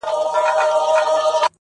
• پر کاله ټول امتحان راسي مگر,